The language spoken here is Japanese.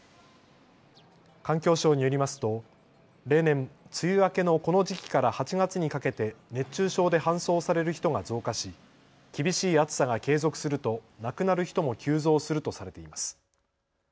環境省によりますと例年、梅雨明けのこの時期から８月にかけて熱中症で搬送される人が増加し厳しい暑さが継続すると亡くなる人も急増するとされています。